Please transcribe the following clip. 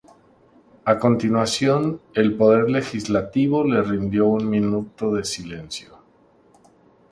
A continuación, el Poder Legislativo le rindió un minuto de silencio.